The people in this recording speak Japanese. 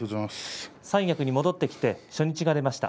三役に戻ってきて初日が出ました